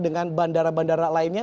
dengan bandara bandara lainnya